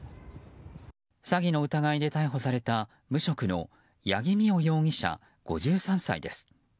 詐欺の疑いで逮捕された無職の八木美緒容疑者５３歳です。